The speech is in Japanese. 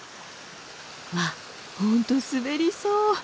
わっ本当滑りそう。